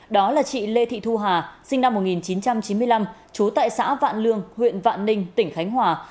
đó là chị lê thị thu hà sinh năm một nghìn chín trăm chín mươi năm trú tại xã vạn lương huyện vạn ninh tỉnh khánh hòa